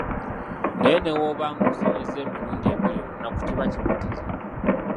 Naye ne bw'oba ng'osenyezza emirundi ebiri olunaku kiba kimatiza.